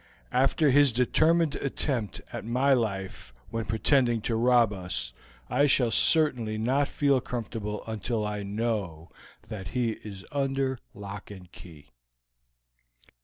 After his determined attempt at my life when pretending to rob us, I shall certainly not feel comfortable until I know that he is under lock and key."